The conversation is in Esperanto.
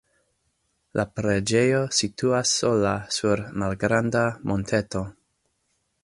La preĝejo situas sola sur malgranda monteto.